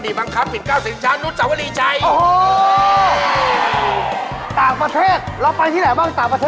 เยอรมันจะผ่านเหลือจะผ่านขาว